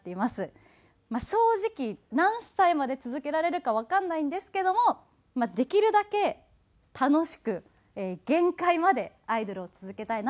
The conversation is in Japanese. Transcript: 正直何歳まで続けられるかわからないんですけどもできるだけ楽しく限界までアイドルを続けたいなと思っています。